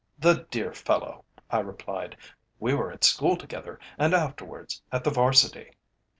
"The dear fellow!" I replied. "We were at school together and afterwards at the 'Varsity."